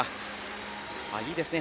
いいですね。